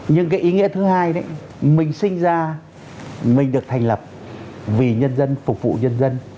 nhưng cái ý nghĩa thứ hai đấy mình sinh ra mình được thành lập vì nhân dân phục vụ nhân dân